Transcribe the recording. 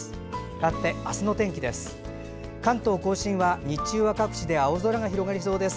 かわって、明日の天気です。